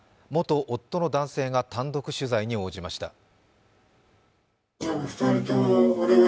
元夫の男性が単独取材に応じました。